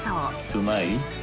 うまい？